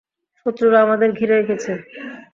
শত্রুরা আমাদের ঘিরে রেখেছে।